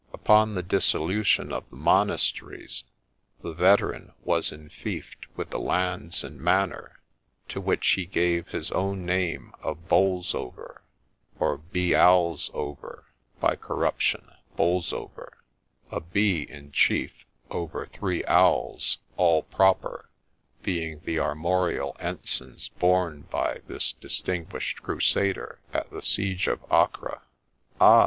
Upon the dissolution of the monasteries, the veteran was enfeoffed in the lands and manor, to which he gave his own name of Bowlsover, or Bee owls over, (by corruption Bolsover,) — a Bee in chief, over three Owls, all proper, being the armorial ensigns borne by this distinguished crusader at the siege of Acre.' ' Ah